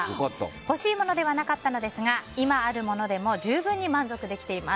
欲しいものではなかったのですが今あるものでも十分に満足できています。